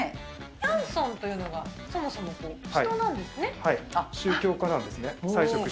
ヤンソンというのが、そもそ宗教家なんですね。